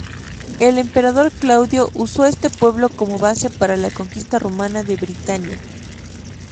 El emperador Claudio usó este pueblo como base para la conquista romana de Britania.